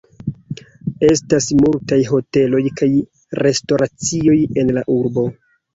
Estas multaj hoteloj kaj restoracioj en la urbo.